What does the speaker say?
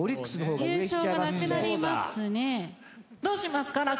どうしますか？